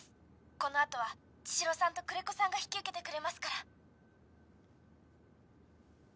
「このあとは茅代さんと久連木さんが引き受けてくれますから」